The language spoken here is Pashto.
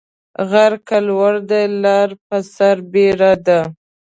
غر که لوړ دى ، لار پر سر بيره ده.